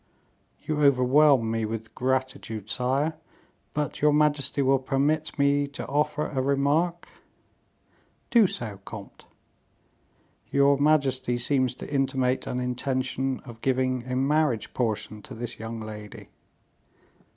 "You overwhelm me with gratitude, sire; but your majesty will permit me to offer a remark?" "Do so, comte." "Your majesty seems to intimate an intention of giving a marriage portion to this young lady."